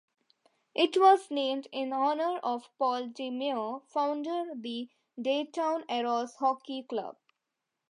It was named in honour of Paul Deneau, founder the Dayton Aeros hockey club.